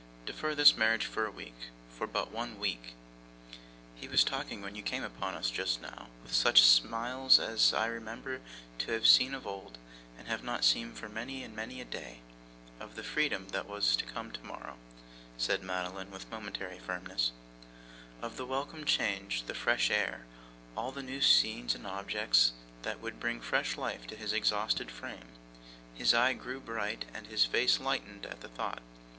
Defer this marriage for a week. For but one week!' 'He was talking, when you came upon us just now, with such smiles as I remember to have seen of old, and have not seen for many and many a day, of the freedom that was to come tomorrow,' said Madeline, with momentary firmness, 'of the welcome change, the fresh air: all the new scenes and objects that would bring fresh life to his exhausted frame. His eye grew bright, and his face lightened at the thought.